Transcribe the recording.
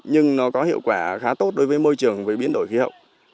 nhưng nó có hiệu quả khá tốt đối với môi trường về biến đổi khí hậu